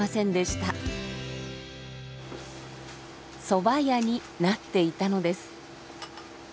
そば屋になっていたのです。